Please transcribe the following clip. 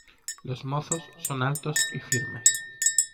Los mozos son altos y firmes.